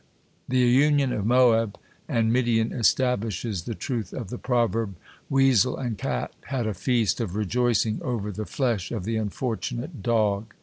The union of Moab and Midian establishes the truth of the proverb: "Weasel and Cat had a feast of rejoicing over the flesh of the unfortunate Dog."